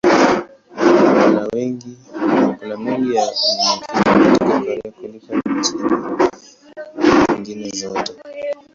Kuna mengi ya unyenyekevu katika Korea kuliko nchi nyingine yoyote.